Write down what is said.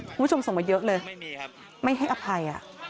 คุณผู้ชมส่งมาเยอะเลยไม่ให้อภัย